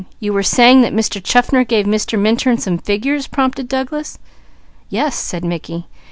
You were saying that Mr. Chaffner gave Mr. Minturn some figures " prompted Douglas. "Yes," said Mickey.